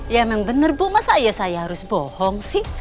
ya memang bener bu masa saya harus bohong sih